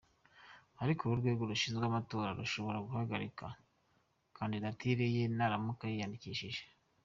Ariko rero urwego rushinzwe amatora rushobora guhagarika kandidatire ye naramuka yiyandikishije.